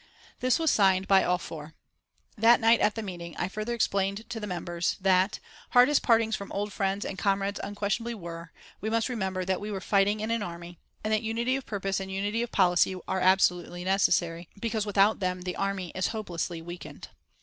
This was signed by all four. That night at the meeting I further explained to the members that, hard as partings from old friends and comrades unquestionably were, we must remember that we were fighting in an army, and that unity of purpose and unity of policy are absolutely necessary, because without them the army is hopelessly weakened.